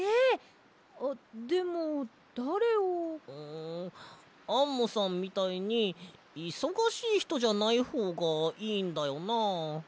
んアンモさんみたいにいそがしいひとじゃないほうがいいんだよな。